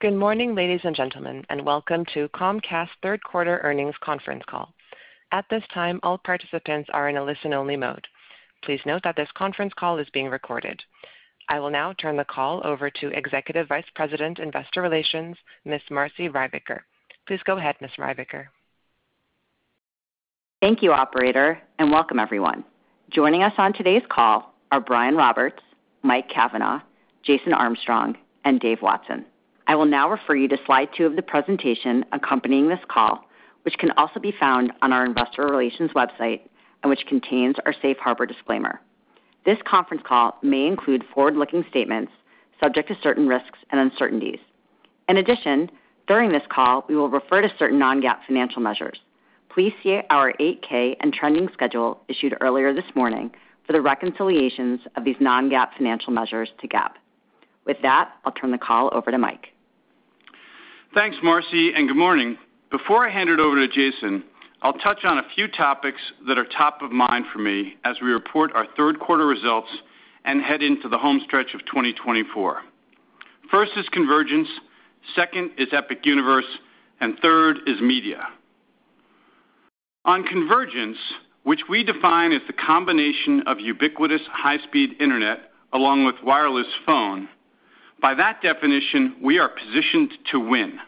Good morning, ladies and gentlemen, and welcome to Comcast Third Quarter Earnings Conference Call. At this time, all participants are in a listen-only mode. Please note that this conference call is being recorded. I will now turn the call over to Executive Vice President, Investor Relations, Ms. Marci Ryvicker. Please go ahead, Ms. Ryvicker. Thank you, Operator, and welcome, everyone. Joining us on today's call are Brian Roberts, Mike Cavanagh, Jason Armstrong, and Dave Watson. I will now refer you to slide two of the presentation accompanying this call, which can also be found on our Investor Relations website and which contains our safe harbor disclaimer. This conference call may include forward-looking statements subject to certain risks and uncertainties. In addition, during this call, we will refer to certain non-GAAP financial measures. Please see our 8-K and trending schedule issued earlier this morning for the reconciliations of these non-GAAP financial measures to GAAP. With that, I'll turn the call over to Mike. Thanks, Marci, and good morning. Before I hand it over to Jason, I'll touch on a few topics that are top of mind for me as we report our third quarter results and head into the home stretch of 2024. First is convergence, second is Epic Universe, and third is media. On convergence, which we define as the combination of ubiquitous high-speed internet along with wireless phone, by that definition, we are positioned to win.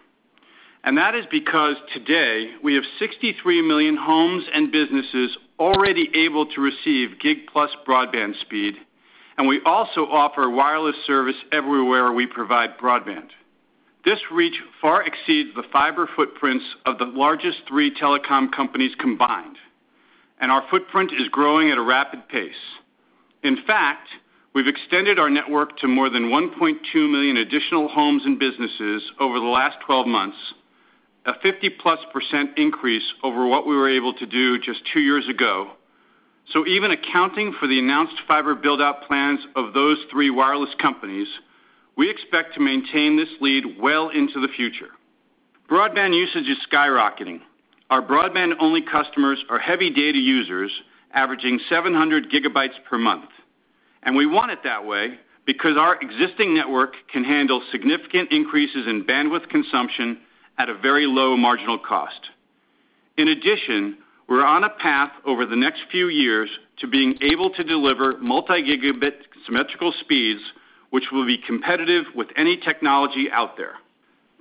And that is because today we have 63 million homes and businesses already able to receive gig-plus broadband speed, and we also offer wireless service everywhere we provide broadband. This reach far exceeds the fiber footprints of the largest three telecom companies combined, and our footprint is growing at a rapid pace. In fact, we've extended our network to more than 1.2 million additional homes and businesses over the last 12 months, a 50-plus% increase over what we were able to do just two years ago. So even accounting for the announced fiber build-out plans of those three wireless companies, we expect to maintain this lead well into the future. Broadband usage is skyrocketing. Our broadband-only customers are heavy data users, averaging 700 gigabytes per month. And we want it that way because our existing network can handle significant increases in bandwidth consumption at a very low marginal cost. In addition, we're on a path over the next few years to being able to deliver multi-gigabit symmetrical speeds, which will be competitive with any technology out there.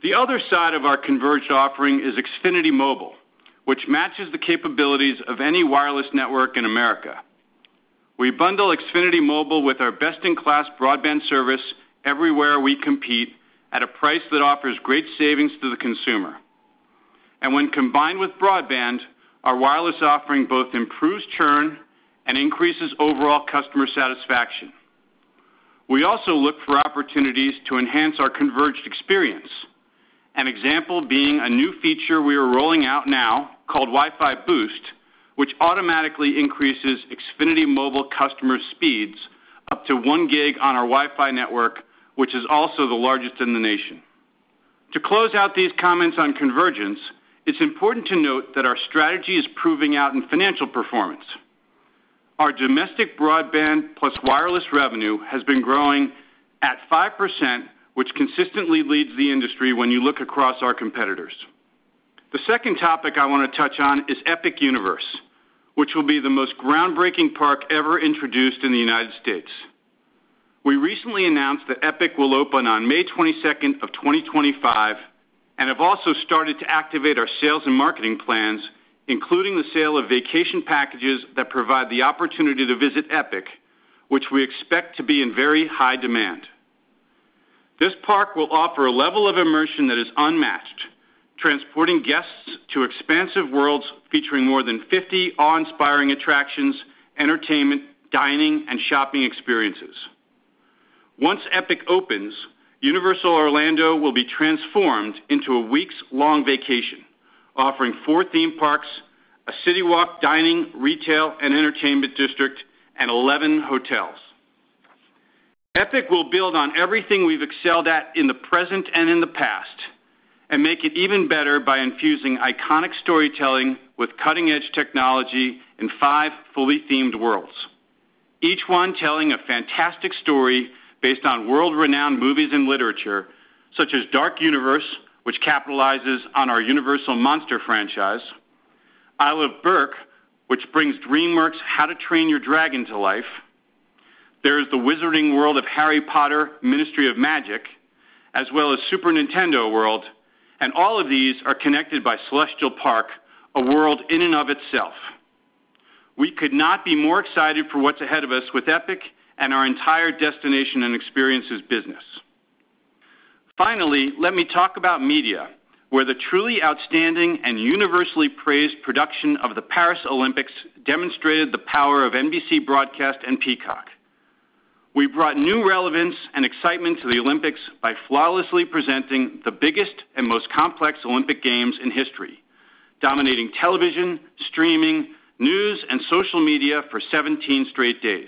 The other side of our converged offering is Xfinity Mobile, which matches the capabilities of any wireless network in America. We bundle Xfinity Mobile with our best-in-class broadband service everywhere we compete at a price that offers great savings to the consumer. And when combined with broadband, our wireless offering both improves churn and increases overall customer satisfaction. We also look for opportunities to enhance our converged experience, an example being a new feature we are rolling out now called WiFi Boost, which automatically increases Xfinity Mobile customer speeds up to one gig on our Wi-Fi network, which is also the largest in the nation. To close out these comments on convergence, it's important to note that our strategy is proving out in financial performance. Our domestic broadband plus wireless revenue has been growing at 5%, which consistently leads the industry when you look across our competitors. The second topic I want to touch on is Epic Universe, which will be the most groundbreaking park ever introduced in the United States. We recently announced that Epic will open on May 22nd of 2025 and have also started to activate our sales and marketing plans, including the sale of vacation packages that provide the opportunity to visit Epic, which we expect to be in very high demand. This park will offer a level of immersion that is unmatched, transporting guests to expansive worlds featuring more than 50 awe-inspiring attractions, entertainment, dining, and shopping experiences. Once Epic opens, Universal Orlando will be transformed into a week-long vacation, offering four theme parks, a city-wide dining, retail, and entertainment district, and 11 hotels. Epic will build on everything we've excelled at in the present and in the past and make it even better by infusing iconic storytelling with cutting-edge technology in five fully themed worlds, each one telling a fantastic story based on world-renowned movies and literature such as Dark Universe, which capitalizes on our Universal Monsters franchise, Isle of Berk, which brings DreamWorks How to Train Your Dragon to life. There is the Wizarding World of Harry Potter, Ministry of Magic, as well as Super Nintendo World, and all of these are connected by Celestial Park, a world in and of itself. We could not be more excited for what's ahead of us with Epic and our entire destination and experiences business. Finally, let me talk about media, where the truly outstanding and universally praised production of the Paris Olympics demonstrated the power of NBC broadcast and Peacock. We brought new relevance and excitement to the Olympics by flawlessly presenting the biggest and most complex Olympic Games in history, dominating television, streaming, news, and social media for 17 straight days.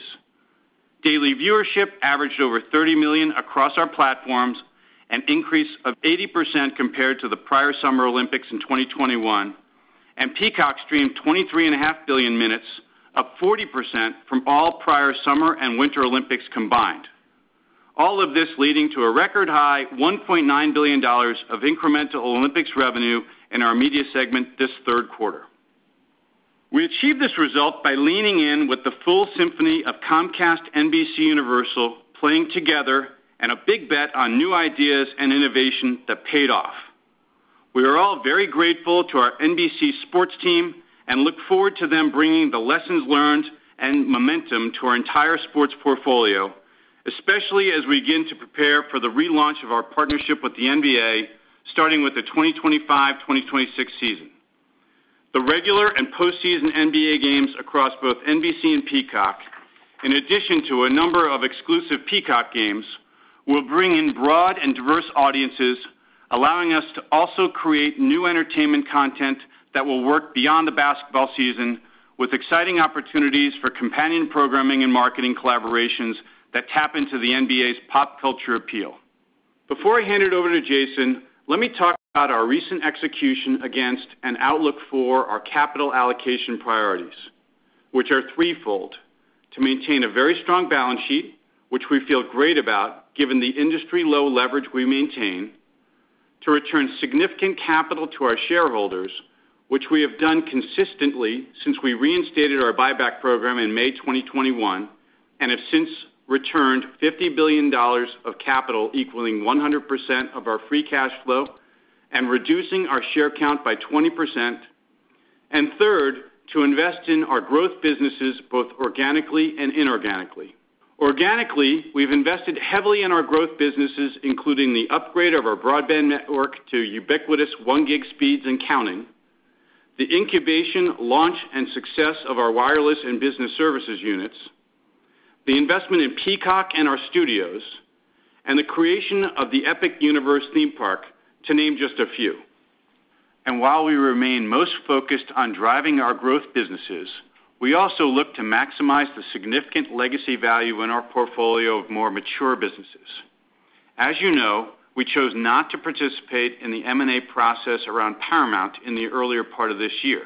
Daily viewership averaged over 30 million across our platforms, an increase of 80% compared to the prior Summer Olympics in 2021, and Peacock streamed 23.5 billion minutes, up 40% from all prior Summer and Winter Olympics combined. All of this leading to a record high, $1.9 billion of incremental Olympics revenue in our media segment this third quarter. We achieved this result by leaning in with the full symphony of Comcast, NBCUniversal playing together and a big bet on new ideas and innovation that paid off. We are all very grateful to our NBC Sports team and look forward to them bringing the lessons learned and momentum to our entire sports portfolio, especially as we begin to prepare for the relaunch of our partnership with the NBA, starting with the 2025-2026 season. The regular and postseason NBA games across both NBC and Peacock, in addition to a number of exclusive Peacock games, will bring in broad and diverse audiences, allowing us to also create new entertainment content that will work beyond the basketball season with exciting opportunities for companion programming and marketing collaborations that tap into the NBA's pop culture appeal. Before I hand it over to Jason, let me talk about our recent execution against and outlook for our capital allocation priorities, which are threefold: to maintain a very strong balance sheet, which we feel great about given the industry low leverage we maintain, to return significant capital to our shareholders, which we have done consistently since we reinstated our buyback program in May 2021 and have since returned $50 billion of capital equaling 100% of our free cash flow and reducing our share count by 20%. And third, to invest in our growth businesses both organically and inorganically. Organically, we've invested heavily in our growth businesses, including the upgrade of our broadband network to ubiquitous one gig speeds and counting, the incubation, launch, and success of our wireless and business services units, the investment in Peacock and our studios, and the creation of the Epic Universe theme park, to name just a few. And while we remain most focused on driving our growth businesses, we also look to maximize the significant legacy value in our portfolio of more mature businesses. As you know, we chose not to participate in the M&A process around Paramount in the earlier part of this year,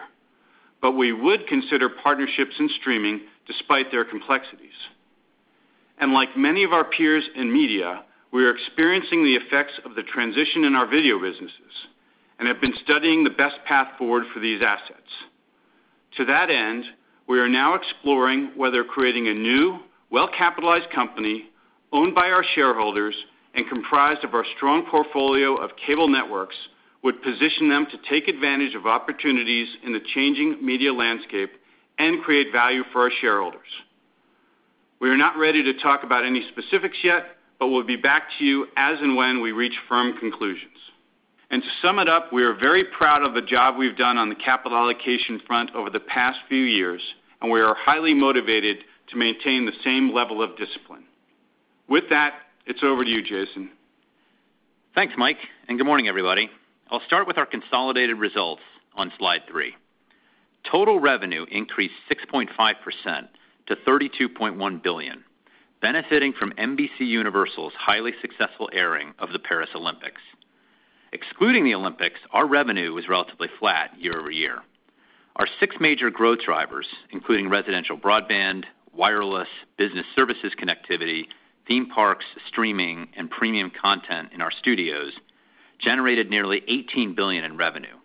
but we would consider partnerships and streaming despite their complexities. And like many of our peers in media, we are experiencing the effects of the transition in our video businesses and have been studying the best path forward for these assets. To that end, we are now exploring whether creating a new, well-capitalized company owned by our shareholders and comprised of our strong portfolio of cable networks would position them to take advantage of opportunities in the changing media landscape and create value for our shareholders. We are not ready to talk about any specifics yet, but we'll be back to you as and when we reach firm conclusions. And to sum it up, we are very proud of the job we've done on the capital allocation front over the past few years, and we are highly motivated to maintain the same level of discipline. With that, it's over to you, Jason. Thanks, Mike, and good morning, everybody. I'll start with our consolidated results on slide three. Total revenue increased 6.5% to $32.1 billion, benefiting from NBCUniversal's highly successful airing of the Paris Olympics. Excluding the Olympics, our revenue was relatively flat year over year. Our six major growth drivers, including residential broadband, wireless, business services connectivity, theme parks, streaming, and premium content in our studios, generated nearly $18 billion in revenue,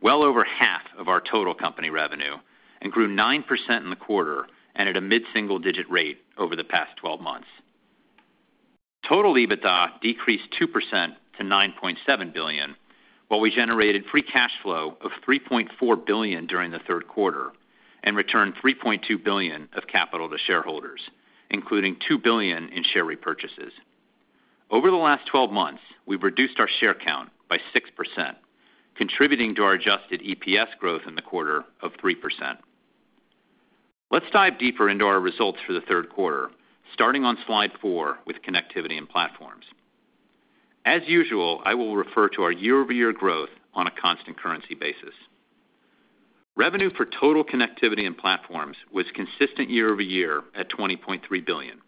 well over half of our total company revenue, and grew 9% in the quarter and at a mid-single-digit rate over the past 12 months. Total EBITDA decreased 2% to $9.7 billion, while we generated free cash flow of $3.4 billion during the third quarter and returned $3.2 billion of capital to shareholders, including $2 billion in share repurchases. Over the last 12 months, we've reduced our share count by 6%, contributing to our adjusted EPS growth in the quarter of 3%. Let's dive deeper into our results for the third quarter, starting on slide four with connectivity and platforms. As usual, I will refer to our year-over-year growth on a constant currency basis. Revenue for total connectivity and platforms was consistent year over year at $20.3 billion,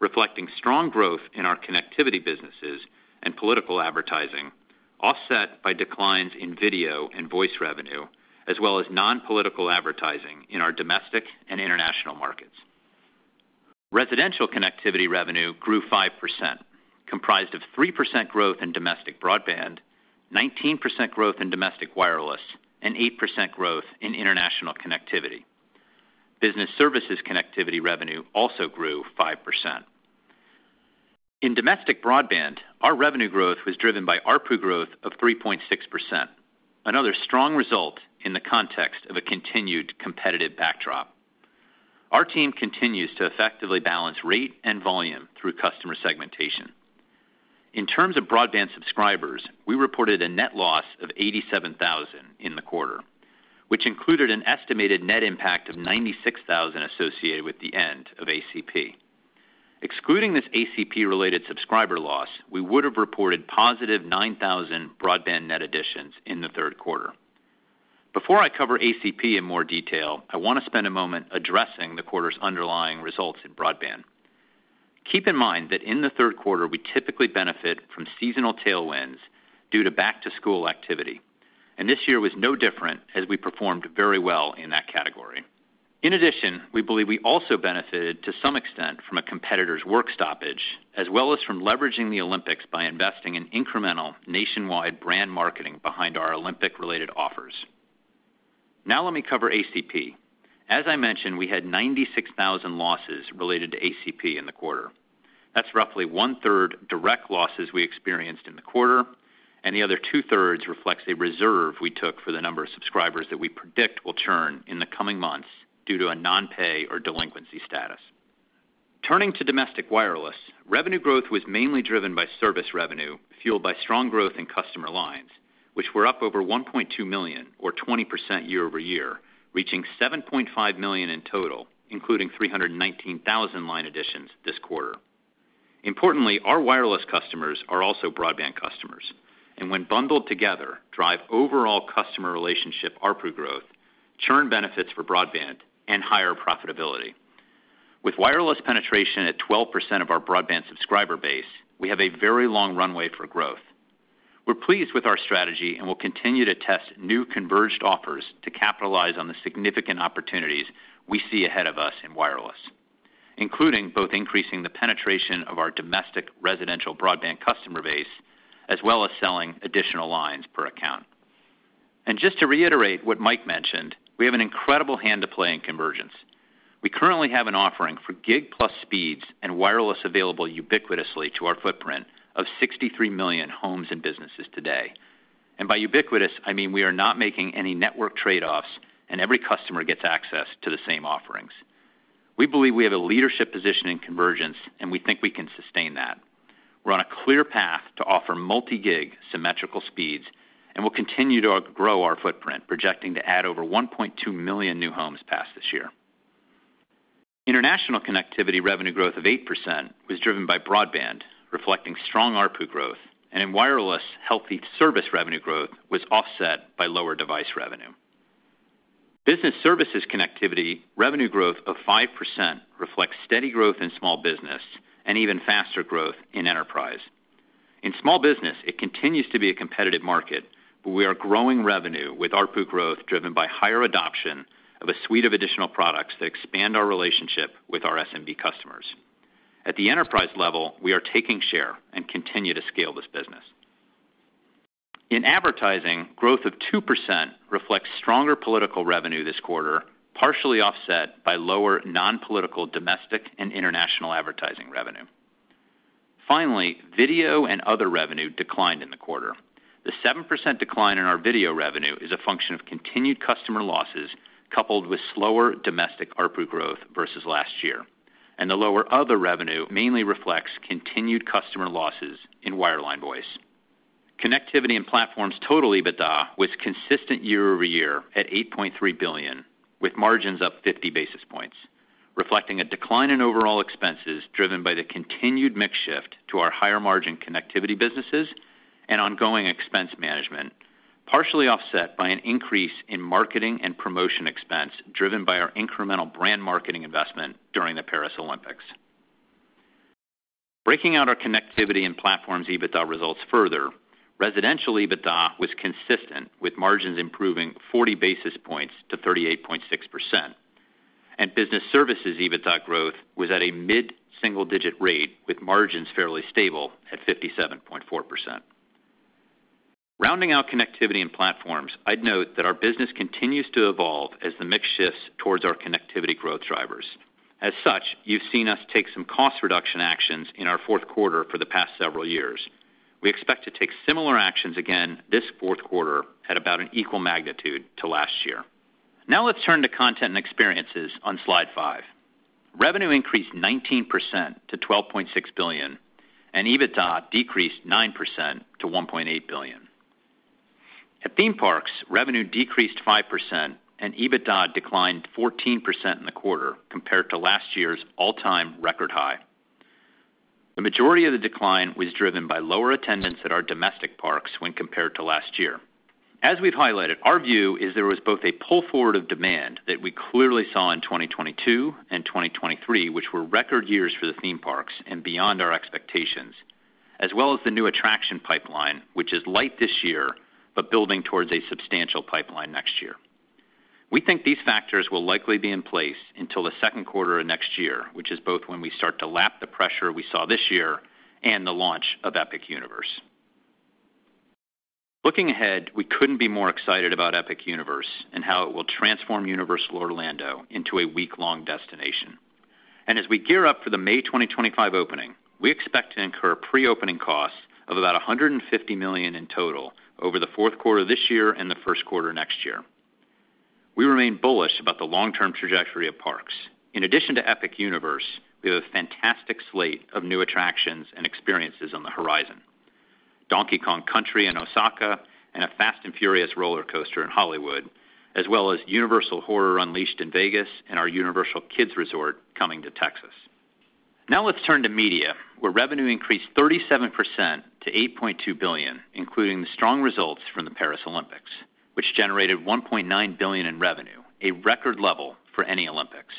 reflecting strong growth in our connectivity businesses and political advertising, offset by declines in video and voice revenue, as well as non-political advertising in our domestic and international markets. Residential connectivity revenue grew 5%, comprised of 3% growth in domestic broadband, 19% growth in domestic wireless, and 8% growth in international connectivity. Business services connectivity revenue also grew 5%. In domestic broadband, our revenue growth was driven by ARPU growth of 3.6%, another strong result in the context of a continued competitive backdrop. Our team continues to effectively balance rate and volume through customer segmentation. In terms of broadband subscribers, we reported a net loss of 87,000 in the quarter, which included an estimated net impact of 96,000 associated with the end of ACP. Excluding this ACP-related subscriber loss, we would have reported positive 9,000 broadband net additions in the third quarter. Before I cover ACP in more detail, I want to spend a moment addressing the quarter's underlying results in broadband. Keep in mind that in the third quarter, we typically benefit from seasonal tailwinds due to back-to-school activity, and this year was no different as we performed very well in that category. In addition, we believe we also benefited to some extent from a competitor's work stoppage, as well as from leveraging the Olympics by investing in incremental nationwide brand marketing behind our Olympic-related offers. Now let me cover ACP. As I mentioned, we had 96,000 losses related to ACP in the quarter. That's roughly one-third direct losses we experienced in the quarter, and the other two-thirds reflects a reserve we took for the number of subscribers that we predict will churn in the coming months due to a non-pay or delinquency status. Turning to domestic wireless, revenue growth was mainly driven by service revenue fueled by strong growth in customer lines, which were up over 1.2 million, or 20% year over year, reaching 7.5 million in total, including 319,000 line additions this quarter. Importantly, our wireless customers are also broadband customers, and when bundled together, drive overall customer relationship ARPU growth, churn benefits for broadband, and higher profitability. With wireless penetration at 12% of our broadband subscriber base, we have a very long runway for growth. We're pleased with our strategy and will continue to test new converged offers to capitalize on the significant opportunities we see ahead of us in wireless, including both increasing the penetration of our domestic residential broadband customer base as well as selling additional lines per account. And just to reiterate what Mike mentioned, we have an incredible hand to play in convergence. We currently have an offering for gig-plus speeds and wireless available ubiquitously to our footprint of 63 million homes and businesses today. And by ubiquitous, I mean we are not making any network trade-offs and every customer gets access to the same offerings. We believe we have a leadership position in convergence, and we think we can sustain that. We're on a clear path to offer multi-gig symmetrical speeds and will continue to grow our footprint, projecting to add over 1.2 million new homes past this year. International connectivity revenue growth of 8% was driven by broadband, reflecting strong ARPU growth, and in wireless, healthy service revenue growth was offset by lower device revenue. Business services connectivity revenue growth of 5% reflects steady growth in small business and even faster growth in enterprise. In small business, it continues to be a competitive market, but we are growing revenue with ARPU growth driven by higher adoption of a suite of additional products that expand our relationship with our SMB customers. At the enterprise level, we are taking share and continue to scale this business. In advertising, growth of 2% reflects stronger political revenue this quarter, partially offset by lower non-political domestic and international advertising revenue. Finally, video and other revenue declined in the quarter. The 7% decline in our video revenue is a function of continued customer losses coupled with slower domestic ARPU growth versus last year, and the lower other revenue mainly reflects continued customer losses in wireline voice. Connectivity and platforms total EBITDA was consistent year over year at $8.3 billion, with margins up 50 basis points, reflecting a decline in overall expenses driven by the continued mix shift to our higher margin connectivity businesses and ongoing expense management, partially offset by an increase in marketing and promotion expense driven by our incremental brand marketing investment during the Paris Olympics. Breaking out our connectivity and platforms EBITDA results further, residential EBITDA was consistent with margins improving 40 basis points to 38.6%, and business services EBITDA growth was at a mid-single-digit rate with margins fairly stable at 57.4%. Rounding out connectivity and platforms, I'd note that our business continues to evolve as the mix shifts towards our connectivity growth drivers. As such, you've seen us take some cost reduction actions in our fourth quarter for the past several years. We expect to take similar actions again this fourth quarter at about an equal magnitude to last year. Now let's turn to content and experiences on slide five. Revenue increased 19% to $12.6 billion, and EBITDA decreased 9% to $1.8 billion. At Theme Parks, revenue decreased 5%, and EBITDA declined 14% in the quarter compared to last year's all-time record high. The majority of the decline was driven by lower attendance at our domestic parks when compared to last year. As we've highlighted, our view is there was both a pull forward of demand that we clearly saw in 2022 and 2023, which were record years for the theme parks and beyond our expectations, as well as the new attraction pipeline, which is light this year but building towards a substantial pipeline next year. We think these factors will likely be in place until the second quarter of next year, which is both when we start to lap the pressure we saw this year and the launch of Epic Universe. Looking ahead, we couldn't be more excited about Epic Universe and how it will transform Universal Orlando into a week-long destination. And as we gear up for the May 2025 opening, we expect to incur pre-opening costs of about $150 million in total over the fourth quarter of this year and the first quarter next year. We remain bullish about the long-term trajectory of parks. In addition to Epic Universe, we have a fantastic slate of new attractions and experiences on the horizon: Donkey Kong Country in Osaka and a Fast and Furious roller coaster in Hollywood, as well as Universal Horror Unleashed in Vegas and our Universal Kids Resort coming to Texas. Now let's turn to media, where revenue increased 37% to $8.2 billion, including the strong results from the Paris Olympics, which generated $1.9 billion in revenue, a record level for any Olympics.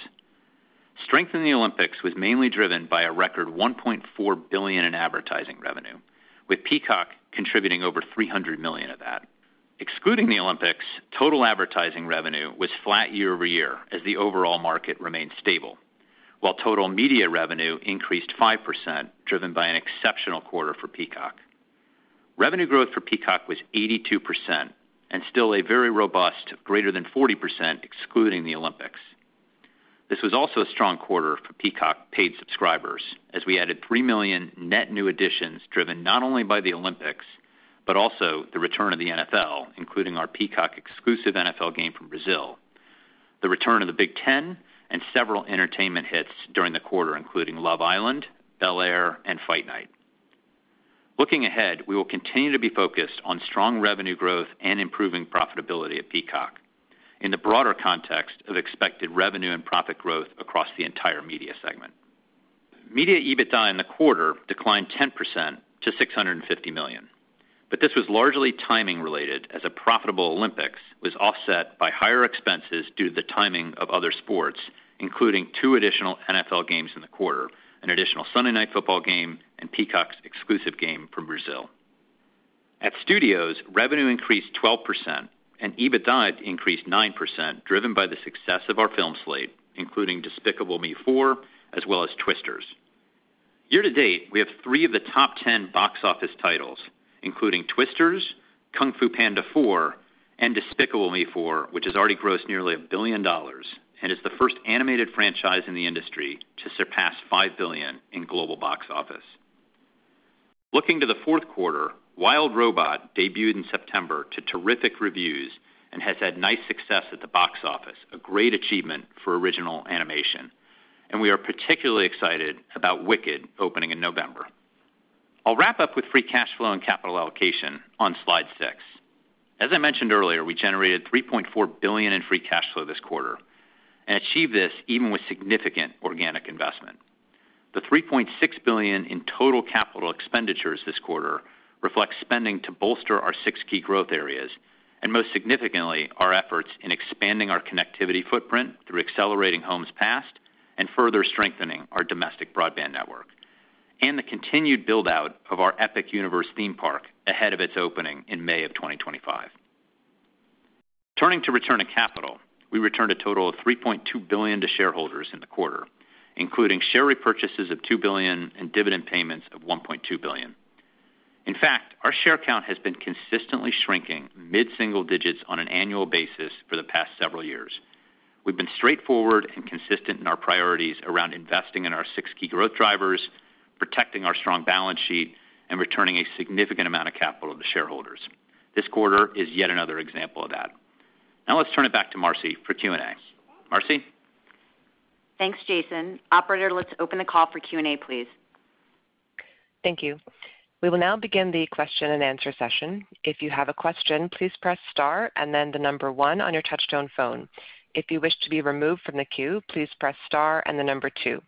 Strength in the Olympics was mainly driven by a record $1.4 billion in advertising revenue, with Peacock contributing over $300 million of that. Excluding the Olympics, total advertising revenue was flat year over year as the overall market remained stable, while total media revenue increased 5%, driven by an exceptional quarter for Peacock. Revenue growth for Peacock was 82% and still a very robust, greater than 40% excluding the Olympics. This was also a strong quarter for Peacock paid subscribers, as we added 3 million net new additions driven not only by the Olympics but also the return of the NFL, including our Peacock exclusive NFL game from Brazil, the return of the Big Ten, and several entertainment hits during the quarter, including Love Island, Bel-Air, and Fight Night. Looking ahead, we will continue to be focused on strong revenue growth and improving profitability at Peacock in the broader context of expected revenue and profit growth across the entire media segment. Media EBITDA in the quarter declined 10% to $650 million, but this was largely timing-related as a profitable Olympics was offset by higher expenses due to the timing of other sports, including two additional NFL games in the quarter, an additional Sunday Night Football game, and Peacock's exclusive game from Brazil. At studios, revenue increased 12%, and EBITDA increased 9%, driven by the success of our film slate, including Despicable Me 4 as well as Twisters. Year to date, we have three of the top 10 box office titles, including Twisters, Kung Fu Panda 4, and Despicable Me 4, which has already grossed nearly $1 billion and is the first animated franchise in the industry to surpass $5 billion in global box office. Looking to the fourth quarter, The Wild Robot debuted in September to terrific reviews and has had nice success at the box office, a great achievement for original animation, and we are particularly excited about Wicked opening in November. I'll wrap up with free cash flow and capital allocation on slide six. As I mentioned earlier, we generated $3.4 billion in free cash flow this quarter and achieved this even with significant organic investment. The $3.6 billion in total capital expenditures this quarter reflects spending to bolster our six key growth areas and, most significantly, our efforts in expanding our connectivity footprint through accelerating homes passed and further strengthening our domestic broadband network, and the continued build-out of our Epic Universe theme park ahead of its opening in May of 2025. Turning to return of capital, we returned a total of $3.2 billion to shareholders in the quarter, including share repurchases of $2 billion and dividend payments of $1.2 billion. In fact, our share count has been consistently shrinking mid-single digits on an annual basis for the past several years. We've been straightforward and consistent in our priorities around investing in our six key growth drivers, protecting our strong balance sheet, and returning a significant amount of capital to shareholders. This quarter is yet another example of that. Now let's turn it back to Marci for Q&A. Marci? Thanks, Jason. Operator, let's open the call for Q&A, please. Thank you. We will now begin the question and answer session. If you have a question, please press Star and then the number one on your touch-tone phone. If you wish to be removed from the queue, please press Star and the number two.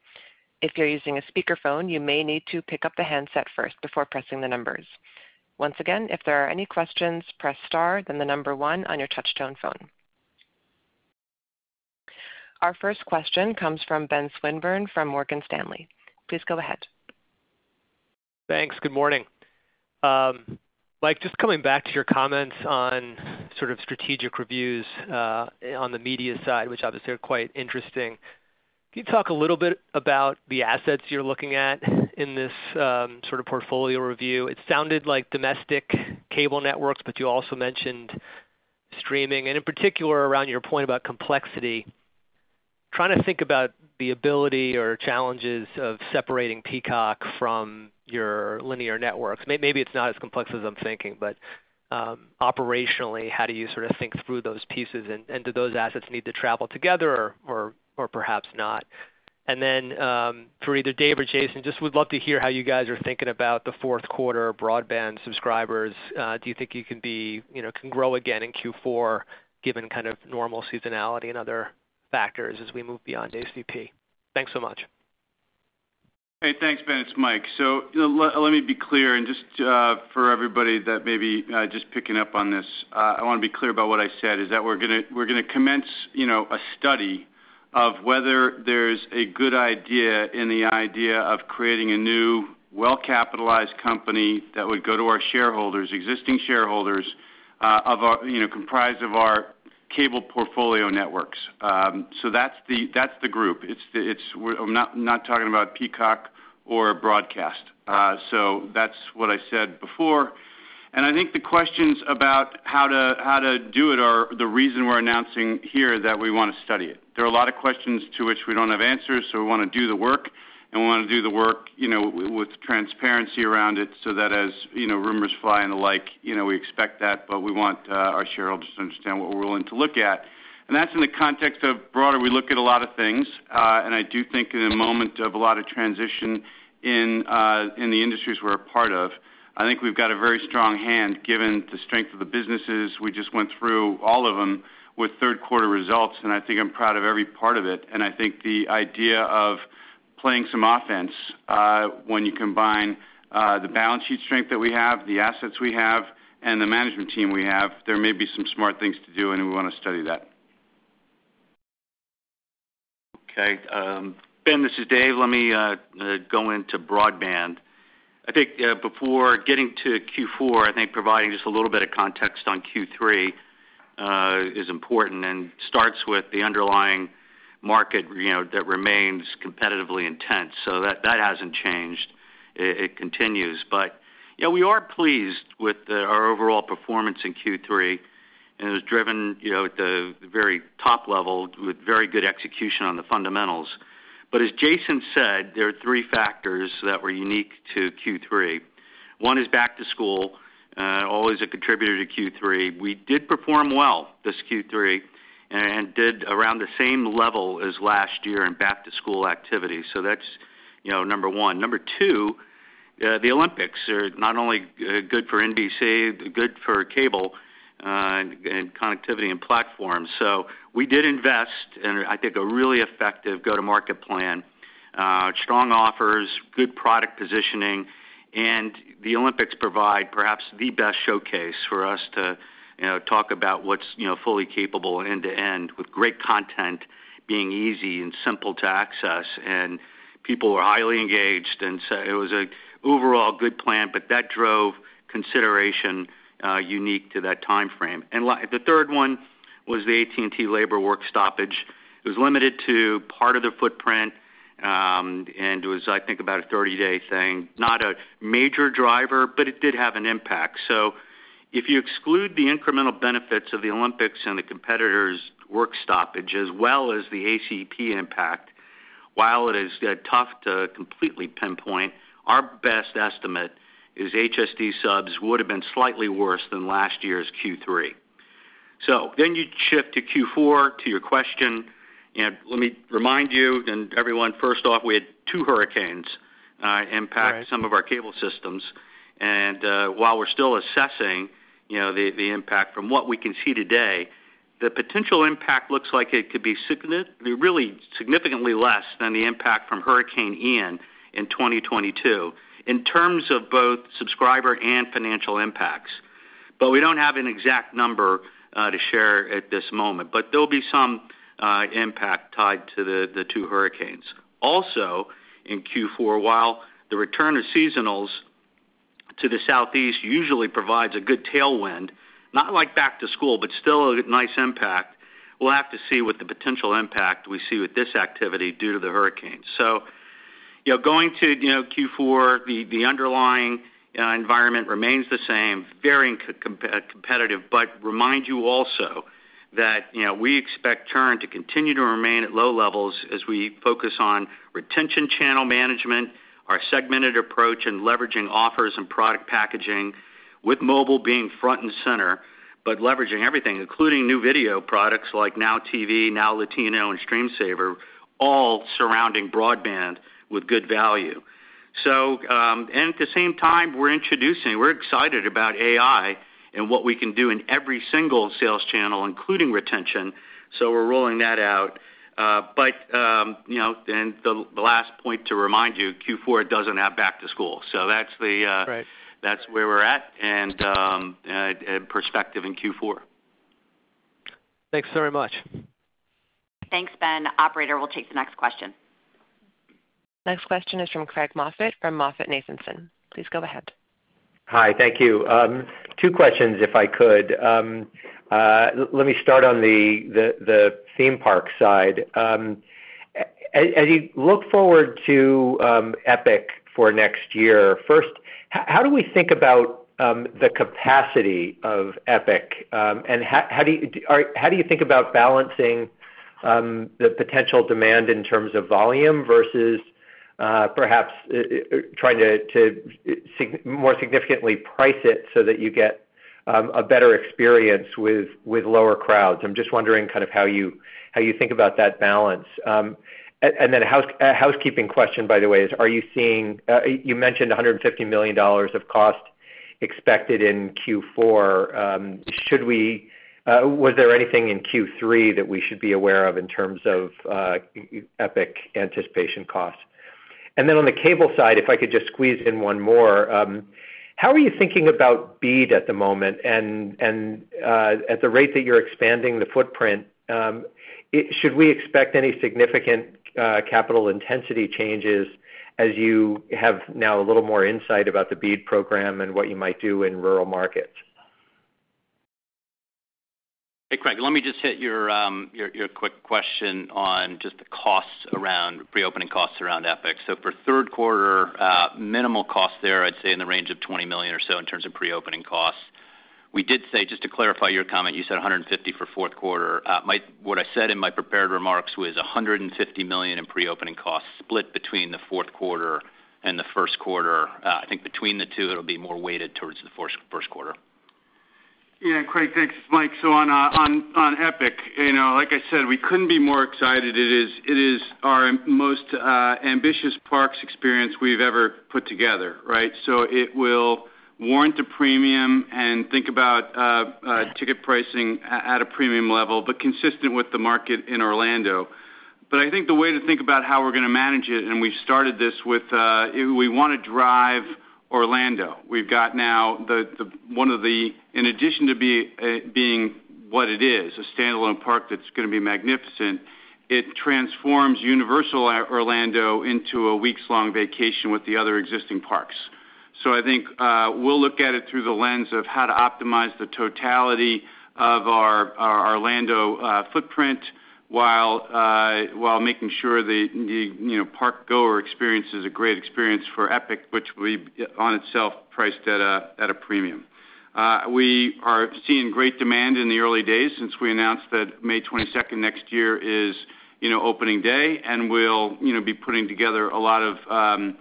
If you're using a speakerphone, you may need to pick up the handset first before pressing the numbers. Once again, if there are any questions, press Star then the number one on your touch-tone phone. Our first question comes from Ben Swinburne from Morgan Stanley. Please go ahead. Thanks. Good morning. Mike, just coming back to your comments on sort of strategic reviews on the media side, which obviously are quite interesting, can you talk a little bit about the assets you're looking at in this sort of portfolio review? It sounded like domestic cable networks, but you also mentioned streaming, and in particular around your point about complexity. Trying to think about the ability or challenges of separating Peacock from your linear networks. Maybe it's not as complex as I'm thinking, but operationally, how do you sort of think through those pieces, and do those assets need to travel together or perhaps not? And then for either Dave or Jason, just would love to hear how you guys are thinking about the fourth quarter broadband subscribers. Do you think you can grow again in Q4 given kind of normal seasonality and other factors as we move beyond ACP? Thanks so much. Hey, thanks, Ben. It's Mike. So let me be clear, and just for everybody that may be just picking up on this, I want to be clear about what I said, is that we're going to commence a study of whether there's a good idea in the idea of creating a new well-capitalized company that would go to our shareholders, existing shareholders, comprised of our cable portfolio networks. So that's the group. I'm not talking about Peacock or broadcast. So that's what I said before. And I think the questions about how to do it are the reason we're announcing here that we want to study it. There are a lot of questions to which we don't have answers, so we want to do the work, and we want to do the work with transparency around it so that as rumors fly and the like, we expect that, but we want our shareholders to understand what we're willing to look at. And that's in the context of broader we look at a lot of things, and I do think in a moment of a lot of transition in the industries we're a part of, I think we've got a very strong hand given the strength of the businesses. We just went through all of them with third quarter results, and I think I'm proud of every part of it, and I think the idea of playing some offense when you combine the balance sheet strength that we have, the assets we have, and the management team we have, there may be some smart things to do, and we want to study that. Okay. Ben, this is Dave. Let me go into broadband. I think before getting to Q4, I think providing just a little bit of context on Q3 is important and starts with the underlying market that remains competitively intense. So that hasn't changed. It continues, but we are pleased with our overall performance in Q3, and it was driven at the very top level with very good execution on the fundamentals, but as Jason said, there are three factors that were unique to Q3. One is back to school, always a contributor to Q3. We did perform well this Q3 and did around the same level as last year in back-to-school activity, so that's number one. Number two, the Olympics are not only good for NBC, good for cable and connectivity and platforms, so we did invest, and I think a really effective go-to-market plan, strong offers, good product positioning. And the Olympics provide perhaps the best showcase for us to talk about what's fully capable end-to-end with great content being easy and simple to access, and people were highly engaged, and so it was an overall good plan, but that drove consideration unique to that timeframe, and the third one was the AT&T labor work stoppage. It was limited to part of the footprint, and it was, I think, about a 30-day thing, not a major driver, but it did have an impact. So if you exclude the incremental benefits of the Olympics and the competitors' work stoppage as well as the ACP impact, while it is tough to completely pinpoint, our best estimate is HSD subs would have been slightly worse than last year's Q3. So then you shift to Q4 to your question. Let me remind you and everyone, first off, we had two hurricanes impact some of our cable systems. And while we're still assessing the impact from what we can see today, the potential impact looks like it could be really significantly less than the impact from Hurricane Ian in 2022 in terms of both subscriber and financial impacts. But we don't have an exact number to share at this moment, but there'll be some impact tied to the two hurricanes. Also, in Q4, while the return of seasonals to the southeast usually provides a good tailwind, not like back to school, but still a nice impact, we'll have to see what the potential impact we see with this activity due to the hurricanes, so going to Q4, the underlying environment remains the same, very competitive, but remind you also that we expect churn to continue to remain at low levels as we focus on retention channel management, our segmented approach, and leveraging offers and product packaging with mobile being front and center, but leveraging everything, including new video products like NOW TV, NOW Latino, and StreamSaver, all surrounding broadband with good value, so at the same time, we're introducing, we're excited about AI and what we can do in every single sales channel, including retention, so we're rolling that out. But then the last point to remind you, Q4 doesn't have back to school. So that's where we're at and perspective in Q4. Thanks very much. Thanks, Ben. Operator will take the next question. Next question is from Craig Moffett from MoffettNathanson. Please go ahead. Hi. Thank you. Two questions, if I could. Let me start on the theme park side. As you look forward to Epic for next year, first, how do we think about the capacity of Epic? And how do you think about balancing the potential demand in terms of volume versus perhaps trying to more significantly price it so that you get a better experience with lower crowds? I'm just wondering kind of how you think about that balance. And then a housekeeping question, by the way, is are you seeing you mentioned $150 million of cost expected in Q4. Was there anything in Q3 that we should be aware of in terms of Epic anticipation cost? And then on the cable side, if I could just squeeze in one more, how are you thinking about BEAD at the moment? And at the rate that you're expanding the footprint, should we expect any significant capital intensity changes as you have now a little more insight about the BEAD program and what you might do in rural markets? Hey, Craig, let me just hit your quick question on just the costs around pre-opening costs around Epic. So for third quarter, minimal cost there, I'd say in the range of $20 million or so in terms of pre-opening costs. We did say, just to clarify your comment, you said $150 for fourth quarter. What I said in my prepared remarks was $150 million in pre-opening costs split between the fourth quarter and the first quarter. I think between the two, it'll be more weighted towards the first quarter. Yeah, Craig, thanks. Mike, so on Epic, like I said, we couldn't be more excited. It is our most ambitious parks experience we've ever put together, right? So it will warrant a premium and think about ticket pricing at a premium level, but consistent with the market in Orlando. But I think the way to think about how we're going to manage it, and we've started this with we want to drive Orlando.We've got now one of the, in addition to being what it is, a standalone park that's going to be magnificent, it transforms Universal Orlando into a weeks-long vacation with the other existing parks. I think we'll look at it through the lens of how to optimize the totality of our Orlando footprint while making sure the park-goer experience is a great experience for Epic, which will be on itself priced at a premium. We are seeing great demand in the early days since we announced that May 22nd next year is opening day, and we'll be putting together a lot of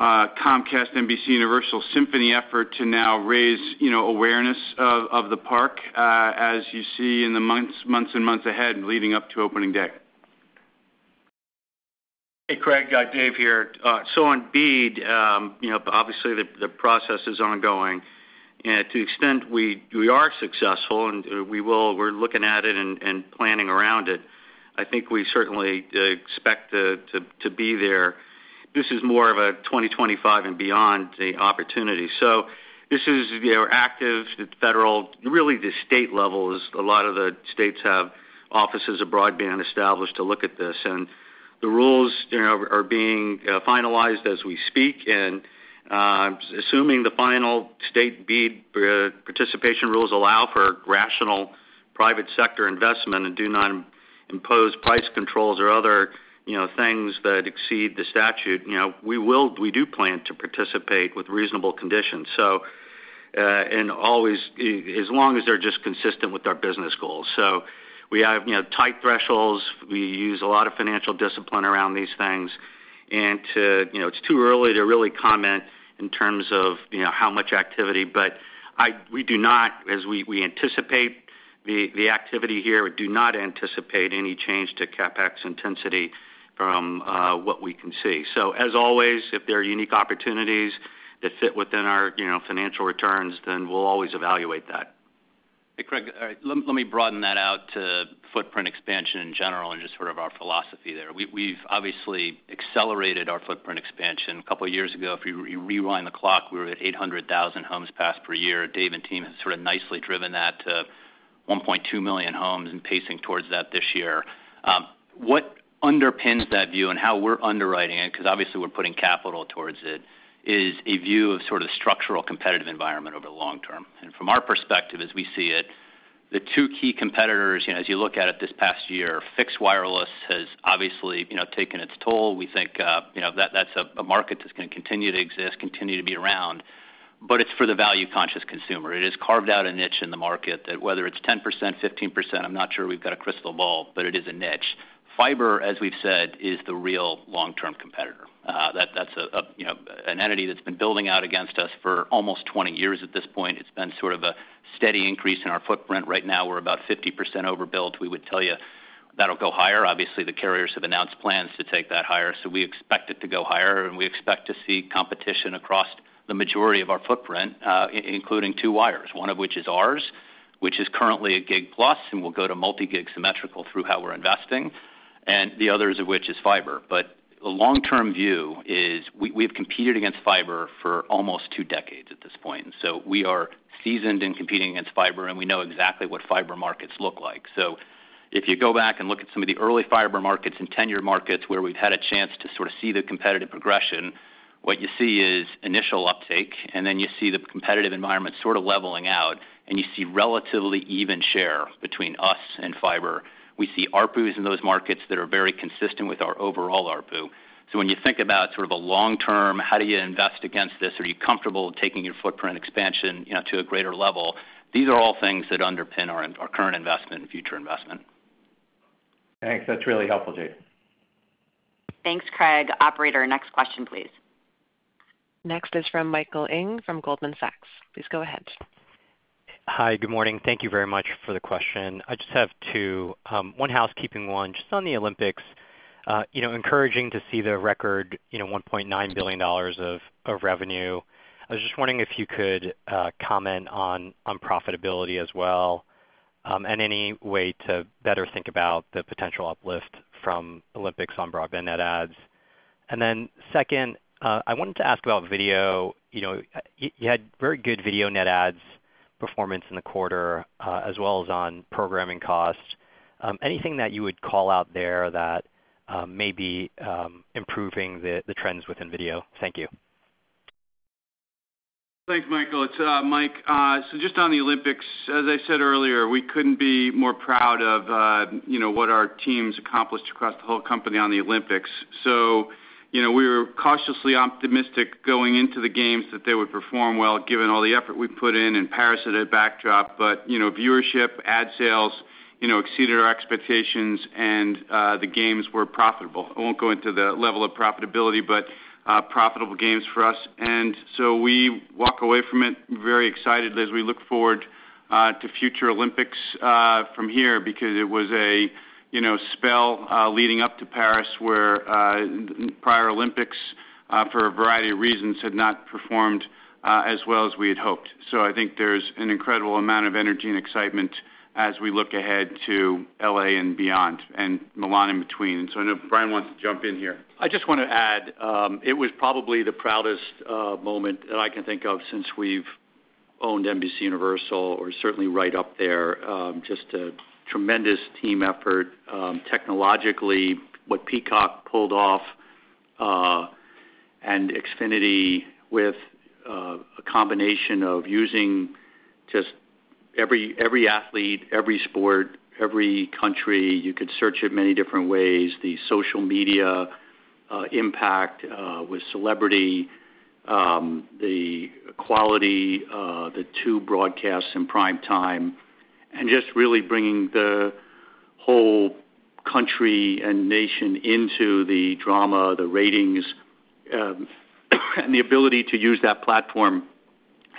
Comcast, NBC, Universal synergy effort to now raise awareness of the park as you see in the months and months ahead leading up to opening day. Hey, Craig, Dave here. On BEAD, obviously, the process is ongoing. To the extent we are successful, and we're looking at it and planning around it, I think we certainly expect to be there. This is more of a 2025 and beyond opportunity. This is active, federal, really the state levels. A lot of the states have offices of broadband established to look at this, and the rules are being finalized as we speak, and assuming the final state BEAD participation rules allow for rational private sector investment and do not impose price controls or other things that exceed the statute, we do plan to participate with reasonable conditions, and always as long as they're just consistent with our business goals, so we have tight thresholds. We use a lot of financial discipline around these things, and it's too early to really comment in terms of how much activity, but we do not, as we anticipate the activity here, we do not anticipate any change to CapEx intensity from what we can see, so as always, if there are unique opportunities that fit within our financial returns, then we'll always evaluate that. Hey, Craig, let me broaden that out to footprint expansion in general and just sort of our philosophy there. We've obviously accelerated our footprint expansion. A couple of years ago, if you rewind the clock, we were at 800,000 homes passed per year. Dave and team have sort of nicely driven that to 1.2 million homes and pacing towards that this year. What underpins that view and how we're underwriting it, because obviously we're putting capital towards it, is a view of sort of structural competitive environment over the long term, and from our perspective, as we see it, the two key competitors, as you look at it this past year, fixed wireless has obviously taken its toll. We think that's a market that's going to continue to exist, continue to be around, but it's for the value-conscious consumer. It has carved out a niche in the market that whether it's 10%, 15%, I'm not sure we've got a crystal ball, but it is a niche. Fiber, as we've said, is the real long-term competitor. That's an entity that's been building out against us for almost 20 years at this point. It's been sort of a steady increase in our footprint. Right now, we're about 50% overbuilt. We would tell you that'll go higher. Obviously, the carriers have announced plans to take that higher. So we expect it to go higher, and we expect to see competition across the majority of our footprint, including two wires, one of which is ours, which is currently a Gig-plus, and we'll go to multi-gig symmetrical through how we're investing, and the others of which is fiber. But the long-term view is we've competed against fiber for almost two decades at this point. So we are seasoned in competing against fiber, and we know exactly what fiber markets look like. So if you go back and look at some of the early fiber markets and ten-year markets where we've had a chance to sort of see the competitive progression, what you see is initial uptake, and then you see the competitive environment sort of leveling out, and you see relatively even share between us and fiber. We see ARPUs in those markets that are very consistent with our overall ARPU. So when you think about sort of a long-term, how do you invest against this? Are you comfortable taking your footprint expansion to a greater level? These are all things that underpin our current investment and future investment. Thanks. That's really helpful, Dave. Thanks, Craig.Operator, next question, please. Next is from Michael Ng from Goldman Sachs. Please go ahead. Hi, good morning. Thank you very much for the question. I just have two. One housekeeping one, just on the Olympics, encouraging to see the record $1.9 billion of revenue. I was just wondering if you could comment on profitability as well and any way to better think about the potential uplift from Olympics on broadband net adds. And then second, I wanted to ask about video. You had very good video net adds performance in the quarter as well as on programming costs. Anything that you would call out there that may be improving the trends within video? Thank you. Thanks, Michael. It's Mike. So just on the Olympics, as I said earlier, we couldn't be more proud of what our teams accomplished across the whole company on the Olympics.So we were cautiously optimistic going into the games that they would perform well given all the effort we put in and Paris as a backdrop, but viewership, ad sales exceeded our expectations, and the games were profitable. I won't go into the level of profitability, but profitable games for us. And so we walk away from it very excited as we look forward to future Olympics from here because it was a spell leading up to Paris where prior Olympics, for a variety of reasons, had not performed as well as we had hoped. So I think there's an incredible amount of energy and excitement as we look ahead to LA and beyond and Milan in between. And so I know Brian wants to jump in here. I just want to add, it was probably the proudest moment that I can think of since we've owned NBCUniversal or certainly right up there. Just a tremendous team effort. Technologically, what Peacock pulled off and Xfinity with a combination of using just every athlete, every sport, every country, you could search it many different ways, the social media impact with celebrity, the quality, the two broadcasts in prime time, and just really bringing the whole country and nation into the drama, the ratings, and the ability to use that platform,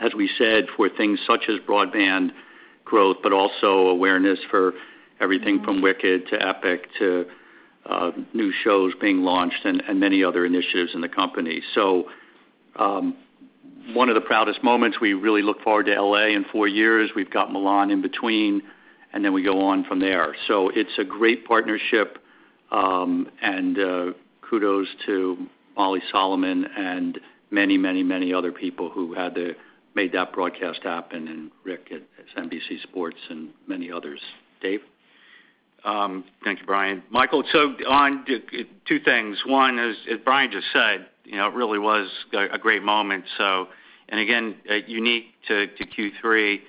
as we said, for things such as broadband growth, but also awareness for everything from Wicked to Epic to new shows being launched and many other initiatives in the company. So one of the proudest moments, we really look forward to LA in four years. We've got Milan in between, and then we go on from there. So it's a great partnership, and kudos to Molly Solomon and many, many, many other people who had made that broadcast happen and Rick at NBC Sports and many others. Dave? Thank you, Brian. Michael, so on two things. One is, as Brian just said, it really was a great moment. And again, unique to Q3,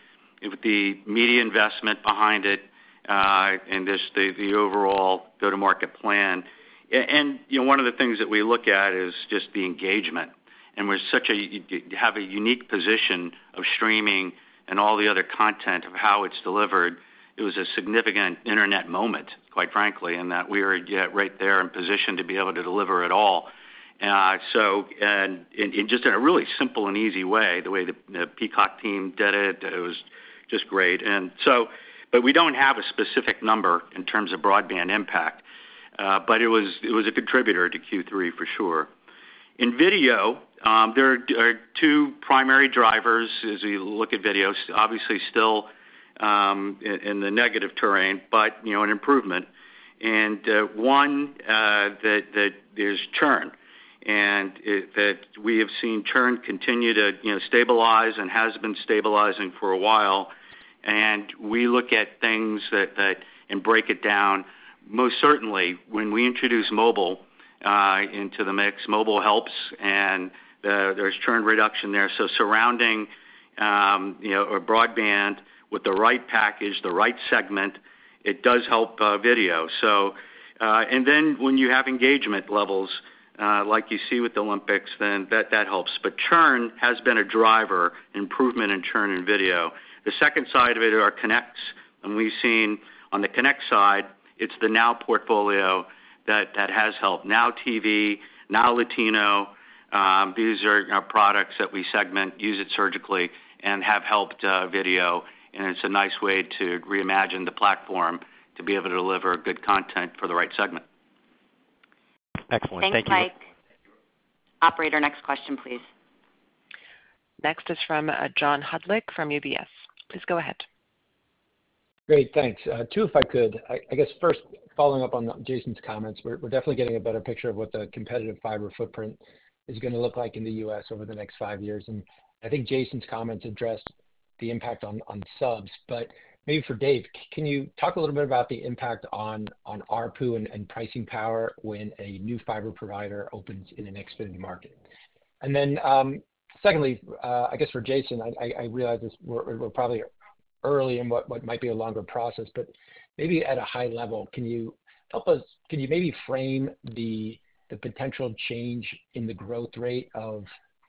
the media investment behind it and the overall go-to-market plan. And one of the things that we look at is just the engagement. And we have a unique position of streaming and all the other content of how it's delivered. It was a significant internet moment, quite frankly, in that we are right there in position to be able to deliver it all. And just in a really simple and easy way, the way the Peacock team did it, it was just great. But we don't have a specific number in terms of broadband impact, but it was a contributor to Q3 for sure. In video, there are two primary drivers as we look at video, obviously still in the negative terrain, but an improvement. And one that there's churn and that we have seen churn continue to stabilize and has been stabilizing for a while. And we look at things and break it down. Most certainly, when we introduce mobile into the mix, mobile helps, and there's churn reduction there. So surrounding broadband with the right package, the right segment, it does help video. And then when you have engagement levels like you see with the Olympics, then that helps. But churn has been a driver, improvement in churn in video. The second side of it are connects. And we've seen on the connect side, it's the NOW portfolio that has helped. NOWTV, NOW Latino. These are products that we segment, use it surgically, and have helped video. And it's a nice way to reimagine the platform to be able to deliver good content for the right segment. Excellent. Thank you. Thank you, Mike.Operator, next question, please. Next is from John Hodulik from UBS. Please go ahead. Great. Thanks. Two, if I could. I guess first, following up on Jason's comments, we're definitely getting a better picture of what the competitive fiber footprint is going to look like in the U.S. over the next five years. And I think Jason's comments addressed the impact on subs. But maybe for Dave, can you talk a little bit about the impact on ARPU and pricing power when a new fiber provider opens in an Xfinity market? And then secondly, I guess for Jason, I realize we're probably early in what might be a longer process, but maybe at a high level, can you help us? Can you maybe frame the potential change in the growth rate of